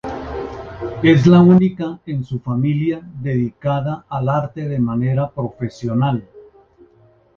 Es la única en su familia dedicada al arte de manera profesional.